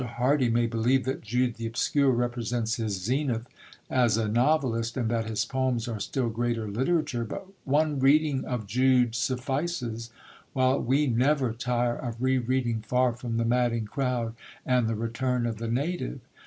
Hardy may believe that Jude the Obscure represents his zenith as a novelist, and that his poems are still greater literature; but one reading of Jude suffices, while we never tire of rereading Far from the Madding Crowd and The Return of the Native.